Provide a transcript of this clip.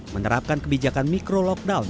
menerapkan kebijakan mikro lockdown